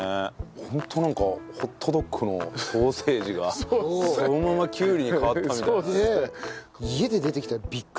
本当なんかホットドッグのソーセージがそのままきゅうりに変わったみたいな。